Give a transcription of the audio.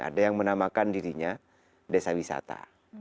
ada yang menamakan dirinya desa wisata